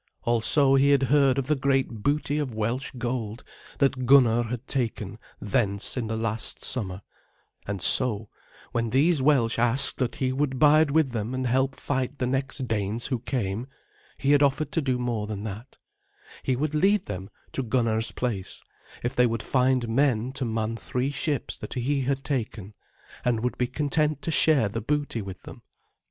Also he had heard of the great booty of Welsh gold that Gunnar had taken thence in the last summer; and so, when these Welsh asked that he would bide with them and help fight the next Danes who came, he had offered to do more than that he would lead them to Gunnar's place if they would find men to man three ships that he had taken, and would be content to share the booty with them.